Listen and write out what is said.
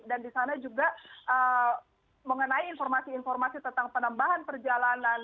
dan di sana juga mengenai informasi informasi tentang penambahan perjalanan